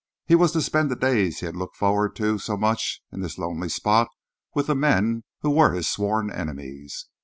He was to spend the days he had looked forward to so much in this lonely spot with the men who were his sworn enemies.